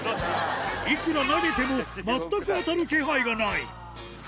いくら投げても、全く当たる気配がない。